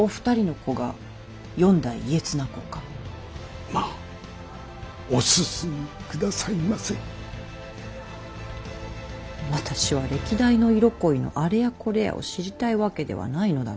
私は歴代の色恋のあれやこれやを知りたいわけではないのだがの。